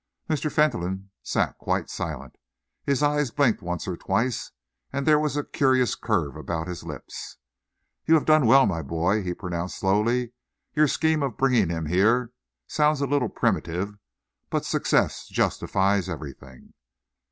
Mr. Fentolin sat quite silent. His eyes blinked once or twice, and there was a curious curve about his lips. "You have done well, my boy," he pronounced slowly. "Your scheme of bringing him here sounds a little primitive, but success justifies everything."